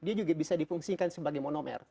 dia juga bisa difungsikan sebagai monomer